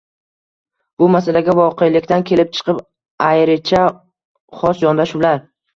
Bu – masalaga voqelikdan kelib chiqib, ayricha, xos yondoshuvdir.